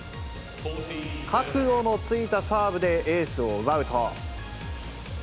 角度のついたサーブでエースを奪うと。